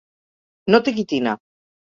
No té quitina.